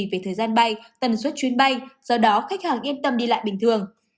về thời gian bay tần suất chuyến bay do đó khách hàng yên tâm đi lại bình thường